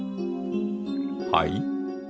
はい？